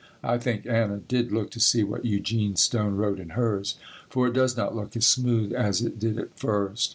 I think Anna did look to see what Eugene Stone wrote in hers, for it does not look as smooth as it did at first.